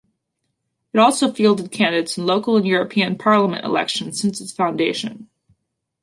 It also fielded candidates in Local and European Parliament elections since its foundation.